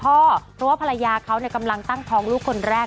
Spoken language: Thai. เพราะว่าภรรยาเขากำลังตั้งท้องลูกคนแรก